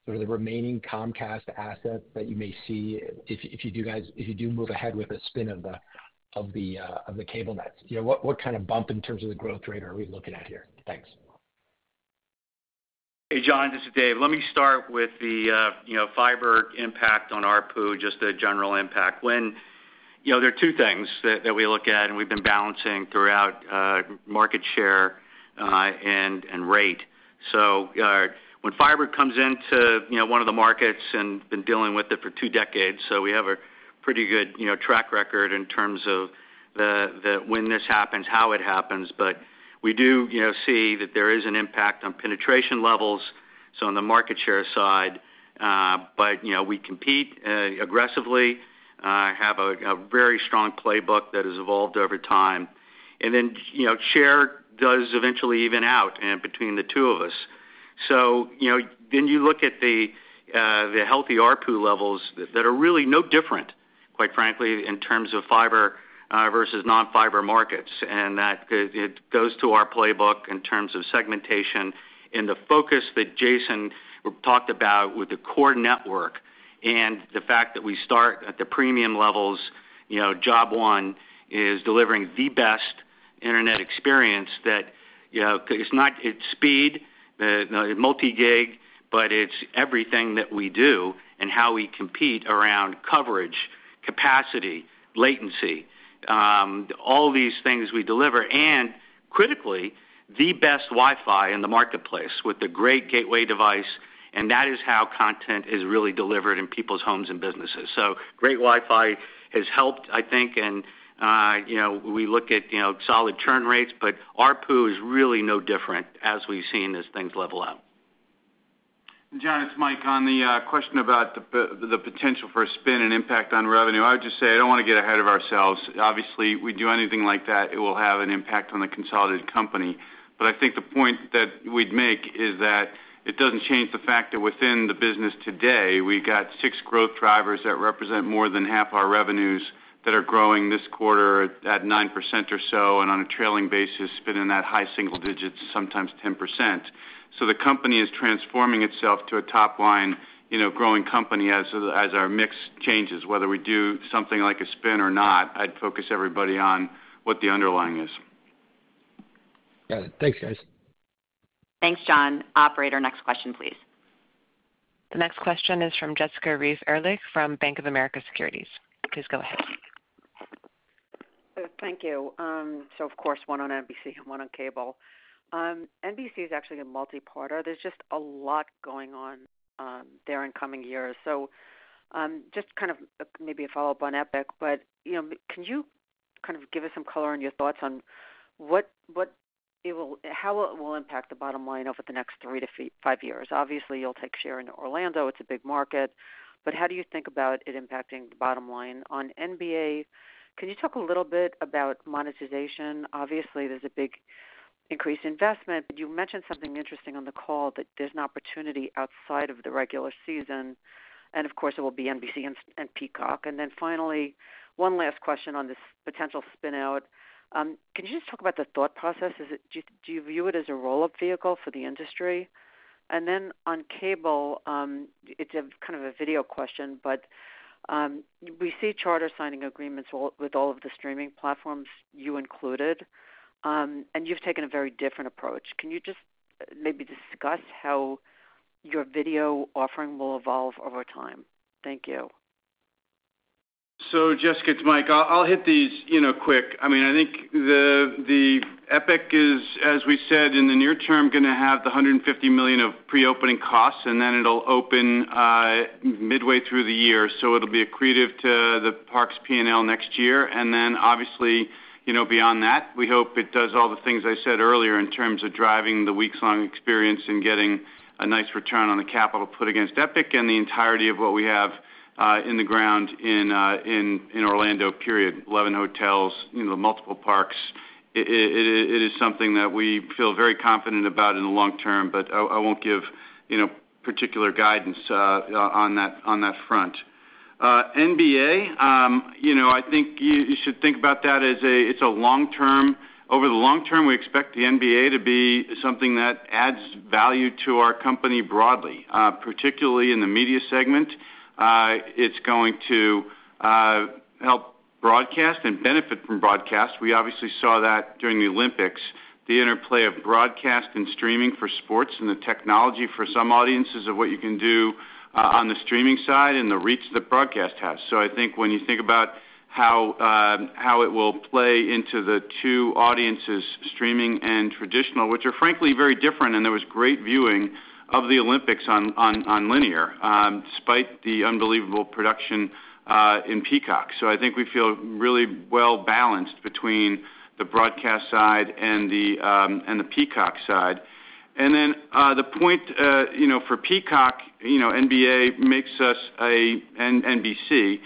sort of the remaining Comcast assets that you may see if you do move ahead with a spin of the cable nets? What kind of bump in terms of the growth rate are we looking at here? Thanks. Hey, John, this is Dave. Let me start with the fiber impact on ARPU, just a general impact. There are two things that we look at, and we've been balancing throughout market share and rate. So when fiber comes into one of the markets and we've been dealing with it for two decades, so we have a pretty good track record in terms of when this happens, how it happens. But we do see that there is an impact on penetration levels, so on the market share side. But we compete aggressively, have a very strong playbook that has evolved over time. And then share does eventually even out between the two of us. So then you look at the healthy ARPU levels that are really no different, quite frankly, in terms of fiber versus non-fiber markets. And that goes to our playbook in terms of segmentation in the focus that Jason talked about with the core network and the fact that we start at the premium levels. Job one is delivering the best internet experience that it's not speed, the multi-gig, but it's everything that we do and how we compete around coverage, capacity, latency, all these things we deliver. And critically, the best Wi-Fi in the marketplace with the great gateway device. And that is how content is really delivered in people's homes and businesses. So great Wi-Fi has helped, I think. And we look at solid churn rates, but ARPU is really no different as we've seen as things level out. And John, it's Mike on the question about the potential for a spin and impact on revenue. I would just say I don't want to get ahead of ourselves. Obviously, we do anything like that, it will have an impact on the consolidated company. But I think the point that we'd make is that it doesn't change the fact that within the business today, we've got six growth drivers that represent more than half our revenues that are growing this quarter at 9% or so and on a trailing basis, spinning that high single digits, sometimes 10%. So the company is transforming itself to a top-line growing company as our mix changes, whether we do something like a spin or not. I'd focus everybody on what the underlying is. Got it. Thanks, guys. Thanks, John. Operator, next question, please. The next question is from Jessica Reif Ehrlich from Bank of America Securities. Please go ahead. Thank you. So of course, one on NBC and one on cable. NBC is actually a multi-part. There's just a lot going on there in coming years. So just kind of maybe a follow-up on Epic, but can you kind of give us some color on your thoughts on how it will impact the bottom line over the next three to five years? Obviously, you'll take share in Orlando. It's a big market. But how do you think about it impacting the bottom line on NBA? Can you talk a little bit about monetization? Obviously, there's a big increased investment. You mentioned something interesting on the call that there's an opportunity outside of the regular season. And of course, it will be NBC and Peacock. And then finally, one last question on this potential spinout. Can you just talk about the thought process? Do you view it as a roll-up vehicle for the industry? And then on cable, it's kind of a video question, but we see Charter signing agreements with all of the streaming platforms you included, and you've taken a very different approach. Can you just maybe discuss how your video offering will evolve over time? Thank you. So Jessica, it's Mike. I'll hit these quick mean, I think the Epic is, as we said, in the near term, going to have the $150 million of pre-opening costs, and then it'll open midway through the year. So it'll be a hit to the Parks P&L next year. And then obviously, beyond that, we hope it does all the things I said earlier in terms of driving the weeks-long experience and getting a nice return on the capital put against Epic and the entirety of what we have on the ground in Orlando period. 11 hotels, multiple parks. It is something that we feel very confident about in the long term, but I won't give particular guidance on that front. NBA, I think you should think about that as it's a long-term. Over the long term, we expect the NBA to be something that adds value to our company broadly, particularly in the media segment.It's going to help broadcast and benefit from broadcast. We obviously saw that during the Olympics, the interplay of broadcast and streaming for sports and the technology for some audiences of what you can do on the streaming side and the reach that broadcast has. I think when you think about how it will play into the two audiences, streaming and traditional, which are frankly very different, and there was great viewing of the Olympics on linear despite the unbelievable production in Peacock. I think we feel really well balanced between the broadcast side and the Peacock side. Then the point for Peacock: NBA makes us an NBC,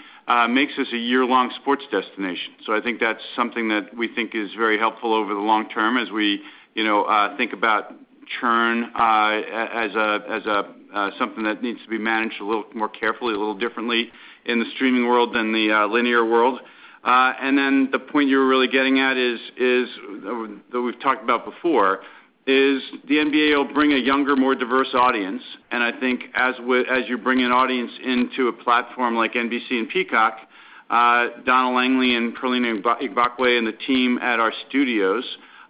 makes us a year-long sports destination. I think that's something that we think is very helpful over the long term as we think about churn as something that needs to be managed a little more carefully, a little differently in the streaming world than the linear world. And then the point you're really getting at is that we've talked about before, is the NBA will bring a younger, more diverse audience. And I think as you bring an audience into a platform like NBC and Peacock, Donna Langley and Pearlena Igbokwe and the team at our studios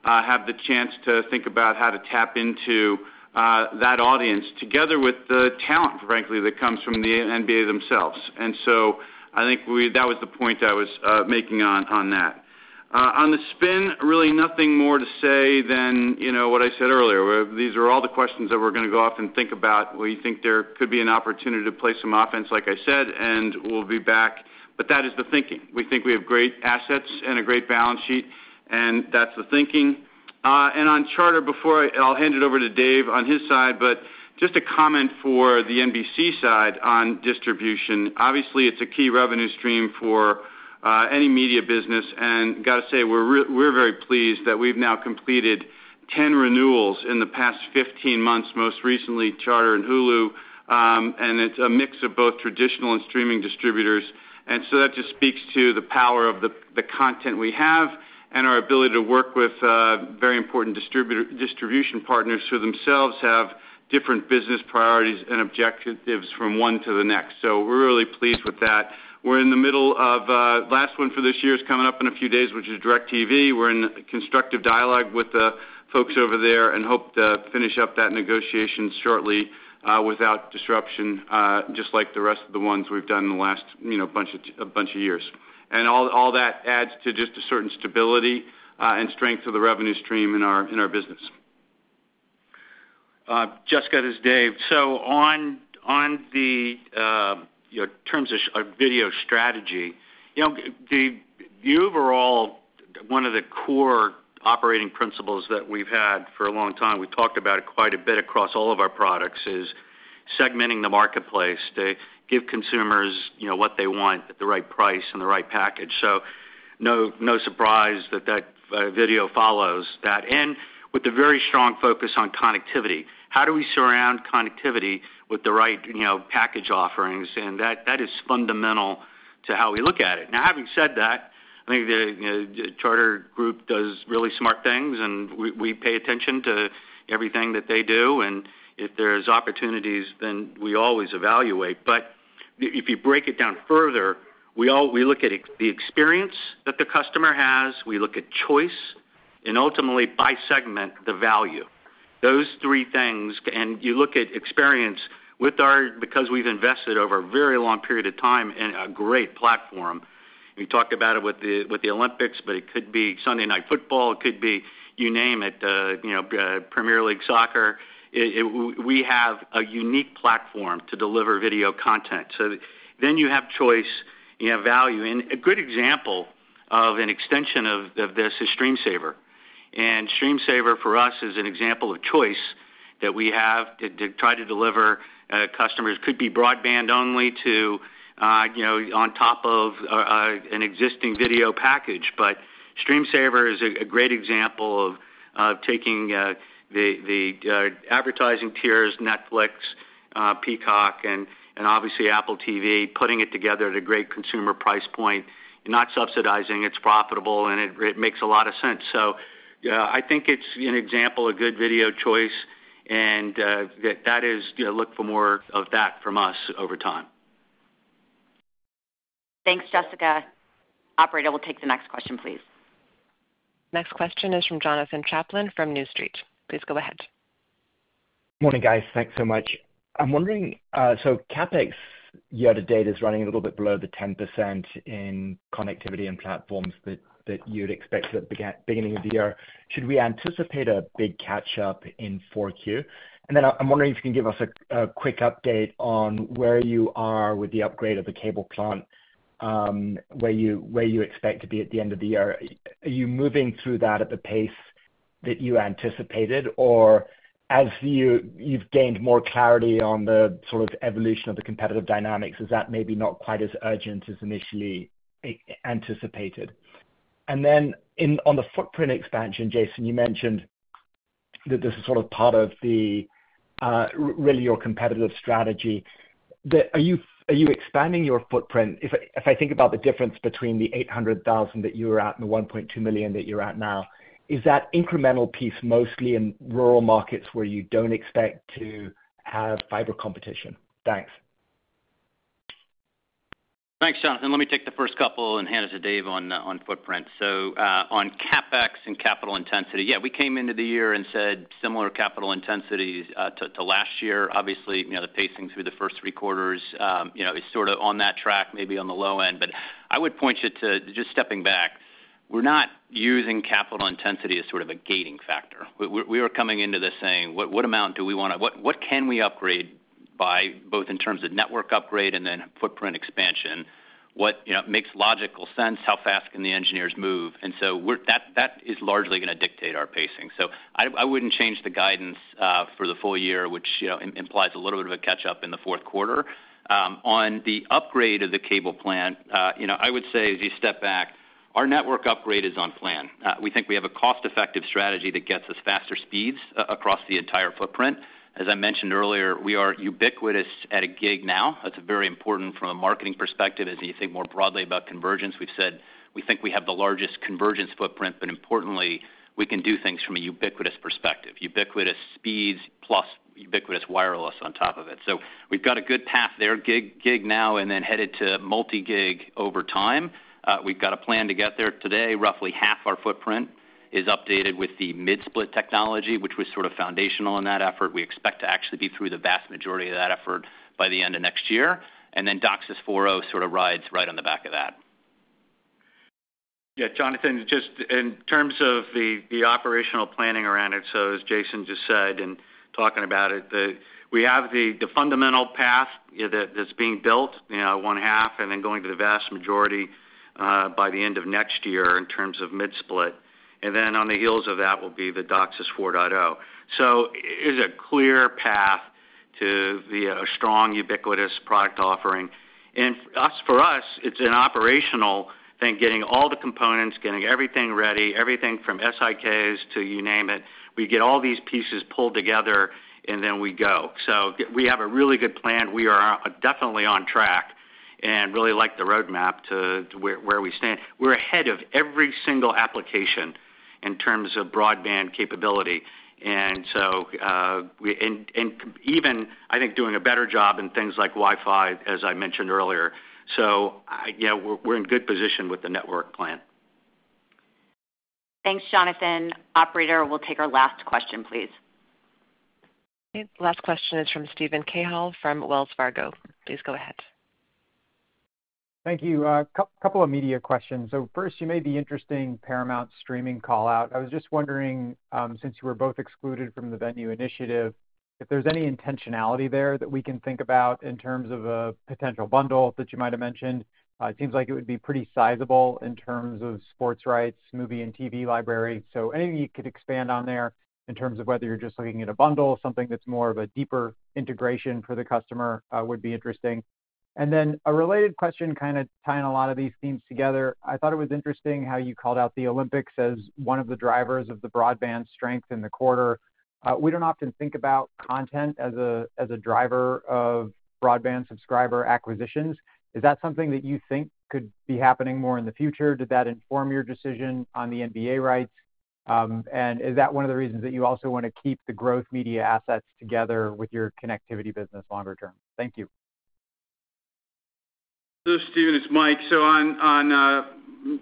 have the chance to think about how to tap into that audience together with the talent, frankly, that comes from the NBA themselves. And so I think that was the point I was making on that. On the spin, really nothing more to say than what I said earlier. These are all the questions that we're going to go off and think about. We think there could be an opportunity to play some offense, like I said, and we'll be back. But that is the thinking. We think we have great assets and a great balance sheet, and that's the thinking. And on Charter, before I'll hand it over to Dave on his side, but just a comment for the NBC side on distribution. Obviously, it's a key revenue stream for any media business. And got to say, we're very pleased that we've now completed 10 renewals in the past 15 months, most recently Charter and Hulu. And it's a mix of both traditional and streaming distributors. And so that just speaks to the power of the content we have and our ability to work with very important distribution partners who themselves have different business priorities and objectives from one to the next. So we're really pleased with that. We're in the middle of last one for this year is coming up in a few days, which is DIRECTV. We're in constructive dialogue with the folks over there and hope to finish up that negotiation shortly without disruption, just like the rest of the ones we've done in the last bunch of years. And all that adds to just a certain stability and strength of the revenue stream in our business. Jessica to Dave.On the terms of video strategy, the overall, one of the core operating principles that we've had for a long time, we've talked about it quite a bit across all of our products, is segmenting the marketplace to give consumers what they want at the right price and the right package. No surprise that video follows that. With a very strong focus on connectivity. How do we surround connectivity with the right package offerings? That is fundamental to how we look at it. Now, having said that, I think the Charter group does really smart things, and we pay attention to everything that they do. If there's opportunities, then we always evaluate. If you break it down further, we look at the experience that the customer has. We look at choice and ultimately by segment the value. Those three things, and you look at experience with ours because we've invested over a very long period of time in a great platform. We talked about it with the Olympics, but it could be Sunday Night Football. It could be, you name it, Premier League soccer. We have a unique platform to deliver video content. So then you have choice, you have value. And a good example of an extension of this is StreamSaver. And StreamSaver for us is an example of choice that we have to try to deliver to customers. It could be broadband only on top of an existing video package. But StreamSaver is a great example of taking the advertising tiers, Netflix, Peacock, and obviously Apple TV+, putting it together at a great consumer price point, not subsidizing. It's profitable, and it makes a lot of sense. So I think it's an example of good video choice, and that is look for more of that from us over time. Thanks, Jessica. Operator, we'll take the next question, please. Next question is from Jonathan Chaplin from New Street. Please go ahead. Morning, guys. Thanks so much. I'm wondering, so CapEx year-to-date is running a little bit below the 10% in connectivity and platforms that you'd expect at the beginning of the year. Should we anticipate a big catch-up in 4Q? And then I'm wondering if you can give us a quick update on where you are with the upgrade of the cable plant, where you expect to be at the end of the year. Are you moving through that at the pace that you anticipated, or as you've gained more clarity on the sort of evolution of the competitive dynamics, is that maybe not quite as urgent as initially anticipated? And then on the footprint expansion, Jason, you mentioned that this is sort of part of really your competitive strategy. Are you expanding your footprint? If I think about the difference between the 800,000 that you were at and the 1.2 million that you're at now, is that incremental piece mostly in rural markets where you don't expect to have fiber competition? Thanks. Thanks, John. Let me take the first couple and hand it to Dave on footprint. So on CapEx and capital intensity, yeah, we came into the year and said similar capital intensities to last year. Obviously, the pacing through the first three quarters is sort of on that track, maybe on the low end. But I would point you to just stepping back, we're not using capital intensity as sort of a gating factor. We were coming into this saying, what amount do we want to what can we upgrade by both in terms of network upgrade and then footprint expansion? What makes logical sense? How fast can the engineers move? And so that is largely going to dictate our pacing. So I wouldn't change the guidance for the full year, which implies a little bit of a catch-up in the fourth quarter. On the upgrade of the cable plant, I would say as you step back, our network upgrade is on plan. We think we have a cost-effective strategy that gets us faster speeds across the entire footprint. As I mentioned earlier, we are ubiquitous at a gig now. That's very important from a marketing perspective as you think more broadly about convergence. We've said we think we have the largest convergence footprint, but importantly, we can do things from a ubiquitous perspective, ubiquitous speeds plus ubiquitous wireless on top of it. So we've got a good path there, gig now, and then headed to multi-gig over time. We've got a plan to get there today. Roughly half our footprint is updated with the mid-split technology, which was sort of foundational in that effort. We expect to actually be through the vast majority of that effort by the end of next year, and then DOCSIS 4.0 sort of rides right on the back of that. Yeah, Jonathan, just in terms of the operational planning around it, so as Jason just said and talking about it, we have the fundamental path that's being built, one half, and then going to the vast majority by the end of next year in terms of mid-split. And then on the heels of that will be the DOCSIS 4.0. So it is a clear path to a strong, ubiquitous product offering. And for us, it's an operational thing, getting all the components, getting everything ready, everything from civils to you name it. We get all these pieces pulled together, and then we go. So we have a really good plan. We are definitely on track and really like the roadmap to where we stand. We're ahead of every single competitor in terms of broadband capability. And so even I think doing a better job in things like Wi-Fi, as I mentioned earlier. So we're in good position with the network plan. Thanks, Jonathan. Operator, we'll take our last question, please. Last question is from Steven Cahall from Wells Fargo. Please go ahead. Thank you. A couple of media questions. So first, you may be interested in the Paramount Streaming call-out. I was just wondering, since you were both excluded from the Venu initiative, if there's any intentionality there that we can think about in terms of a potential bundle that you might have mentioned. It seems like it would be pretty sizable in terms of sports rights, movie, and TV library. So anything you could expand on there in terms of whether you're just looking at a bundle, something that's more of a deeper integration for the customer would be interesting. And then a related question kind of tying a lot of these themes together. I thought it was interesting how you called out the Olympics as one of the drivers of the broadband strength in the quarter. We don't often think about content as a driver of broadband subscriber acquisitions. Is that something that you think could be happening more in the future? Did that inform your decision on the NBA rights? And is that one of the reasons that you also want to keep the growth media assets together with your connectivity businesslonger term? Thank you. This is Stephen. It's Mike. So on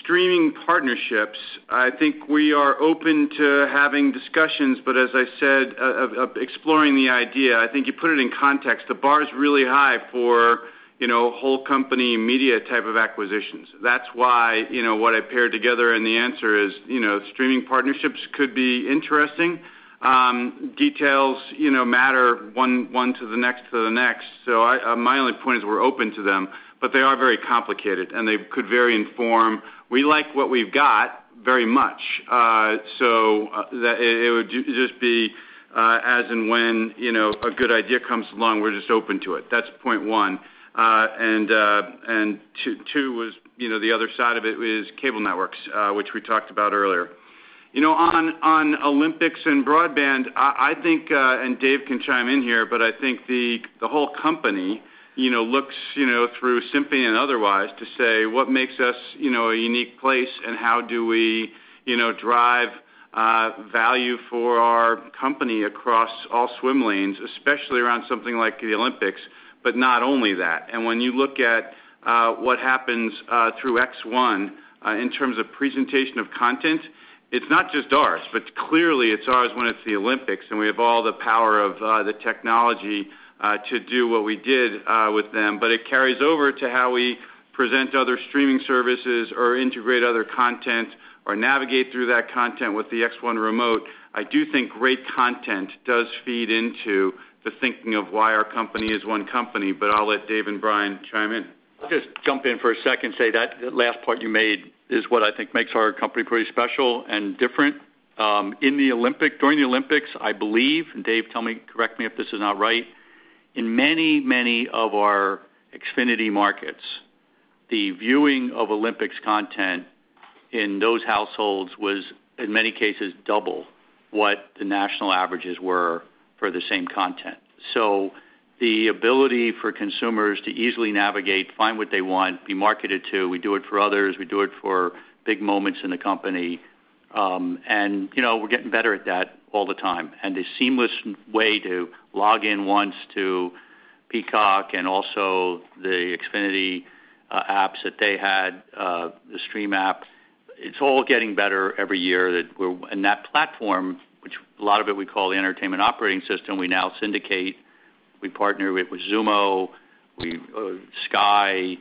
streaming partnerships, I think we are open to having discussions, but as I said, exploring the idea. I think you put it in context. The bar is really high for whole company media type of acquisitions. That's why what I paired together and the answer is streaming partnerships could be interesting. Details matter one to the next to the next, so my only point is we're open to them, but they are very complicated, and they could very inform. We like what we've got very much, so it would just be as and when a good idea comes along, we're just open to it. That's point one, and two was the other side of it is cable networks, which we talked about earlier on Olympics and broadband, I think, and Dave can chime in here, but I think the whole company looks through Symphony and otherwise to say what makes us a unique place and how do we drive value for our company across all swim lanes, especially around something like the Olympics, but not only that. And when you look at what happens through X1 in terms of presentation of content, it's not just ours, but clearly it's ours when it's the Olympics, and we have all the power of the technology to do what we did with them. But it carries over to how we present other streaming services or integrate other content or navigate through that content with the X1 remote. I do think great content does feed into the thinking of why our company is one company, but I'll let Dave and Brian chime in. Just jump in for a second and say that last part you made is what I think makes our company pretty special and different. During the Olympics, I believe, and Dave, tell me, correct me if this is not right, in many, many of our Xfinity markets, the viewing of Olympics content in those households was, in many cases, double what the national averages were for the same content. So the ability for consumers to easily navigate, find what they want, be marketed to, we do it for others, we do it for big moments in the company. And we're getting better at that all the time. And the seamless way to log in once to Peacock and also the Xfinity apps that they had, the Stream app, it's all getting better every year. And that platform, which a lot of it we call the entertainment operating system, we now syndicate. We partner with Xumo, Sky,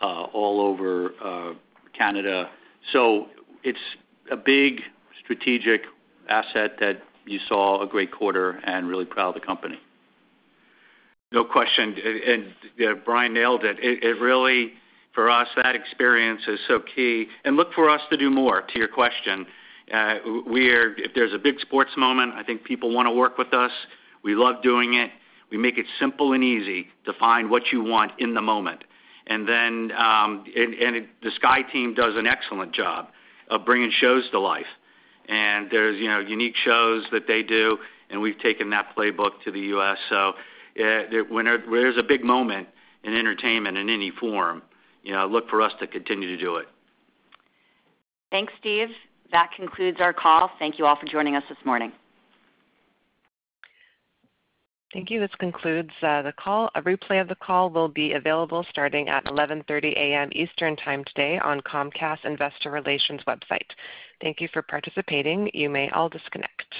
all over Canada.It's a big strategic asset that you saw a great quarter and really proud of the company. No question. And Brian nailed it. It really, for us, that experience is so key. And look for us to do more to your question. If there's a big sports moment, I think people want to work with us. We love doing it. We make it simple and easy to find what you want in the moment. And the Sky team does an excellent job of bringing shows to life. And there's unique shows that they do, and we've taken that playbook to the U.S. So when there's a big moment in entertainment in any form, look for us to continue to do it. Thanks, Steve. That concludes our call. Thank you all for joining us this morning. Thank you. This concludes the call. A replay of the call will be available starting at 11:30 A.M. Eastern Time today on Comcast Investor Relations website. Thank you for participating. You may all disconnect.